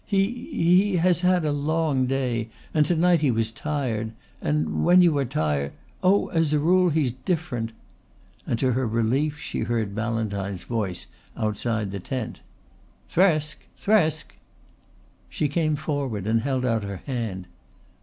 "He he has had a long day and to night he was tired and when you are tired Oh, as a rule he's different." And to her relief she heard Ballantyne's voice outside the tent. "Thresk! Thresk!" She came forward and held out her hand.